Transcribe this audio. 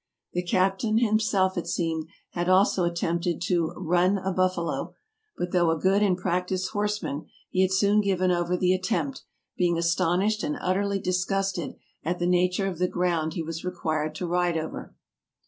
The captain himself, it seemed, had also attempted to " run " a buffalo, but though a good and practised horseman he had soon given over the attempt, being astonished and utterly disgusted at the nature of the ground he was required to ride over.